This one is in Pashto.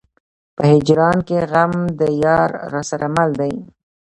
په هجران کې غم د يار راسره مل دی.